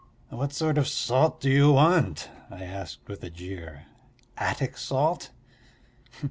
"What sort of salt do you want?" I asked with a jeer. "Attic salt?"